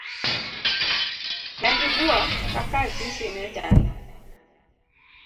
Negibuok kaka Asisi nechalo.